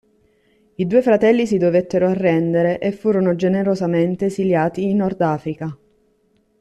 I due fratelli si dovettero arrendere e furono generosamente esiliati in Nordafrica.